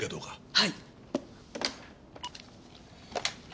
はい。